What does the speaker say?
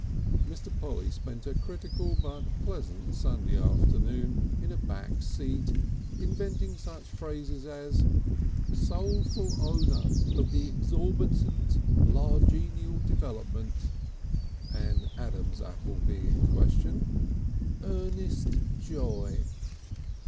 Mr. Polly spent a critical but pleasant Sunday afternoon in a back seat, inventing such phrases as: "Soulful Owner of the Exorbiant Largenial Development." An Adam's Apple being in question. "Earnest Joy."